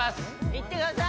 いってください